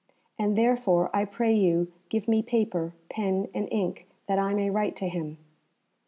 And therefore, I pray you, give me paper, pen, and ink that I may write to him."